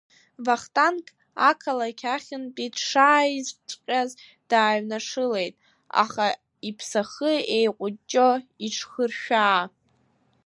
Вахтанг ақалақь ахьынтәи дшааиҵәҟьаз дааҩнашылеит, аха иԥсахы еиҟәыҷҷо иҽхыршәаа.